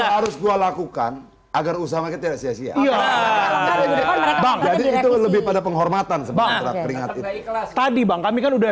harus gua lakukan agar usaha kita sia sia lebih pada penghormatan sebab tadi bang kami kan udah